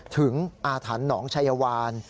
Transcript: ถึงอาถรรพ์หนองชัยวาล